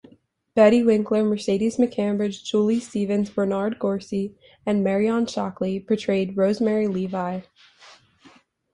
Betty Winkler, Mercedes McCambridge, Julie Stevens, Bernard Gorcey, and Marion Shockley portrayed Rosemary Levy.